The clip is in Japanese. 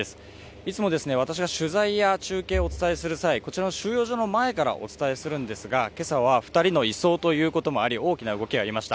いつも私が取材や中継をお伝えする際、こちらの収容所の前からお伝えするんですが、今朝は２人の移送ということもあり大きな動きがありました。